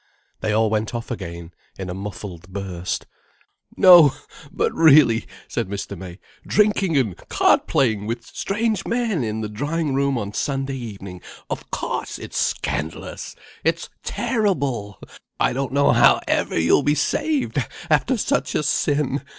They all went off again in a muffled burst. "No but, really," said Mr. May, "drinking and card playing with strange men in the drawing room on Sunday evening, of cauce it's scandalous. It's terrible! I don't know how ever you'll be saved, after such a sin.